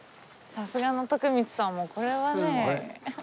さすがの徳光さんもこれはねえ。